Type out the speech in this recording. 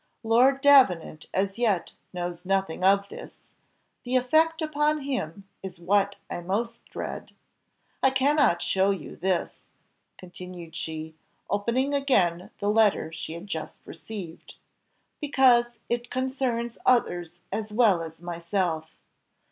"Lord Davenant as yet knows nothing of this, the effect upon him is what I most dread. I cannot show you this," continued she, opening again the letter she had just received, "because it concerns others as well as myself.